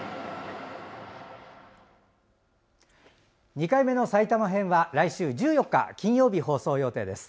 ２回目の埼玉編は来週１４日、金曜日放送予定です。